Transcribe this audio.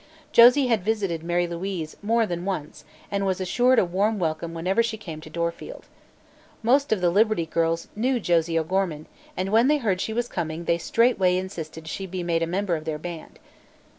Josie had visited Mary Louise more than once and was assured a warm welcome whenever she came to Dorfield. Most of the Liberty Girls knew Josie O'Gorman, and when they heard she was coming they straightway insisted she be made a member of their band.